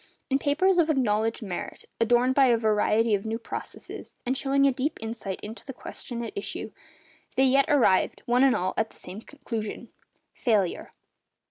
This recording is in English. In papers of acknowledged merit, adorned by a variety of new processes, and showing a deep insight into the question at issue, they yet arrived, one and all, at the same conclusion—failure.